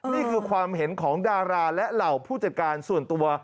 นี่คือความเห็นของดาราและเหล่าผู้จัดการส่วนตัว